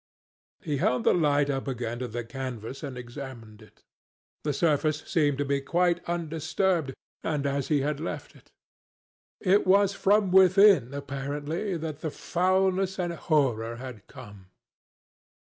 He held the light up again to the canvas and examined it. The surface seemed to be quite undisturbed and as he had left it. It was from within, apparently, that the foulness and horror had come.